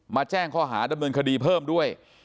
แจ้งข้อหาดำเนินคดีเพิ่มด้วย